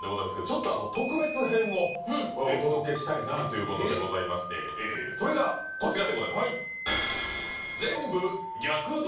ちょっとあの特別編をお届けしたいなということでございましてそれがこちらでございます